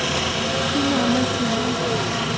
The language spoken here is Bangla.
তিনি আমার সিনিয়র।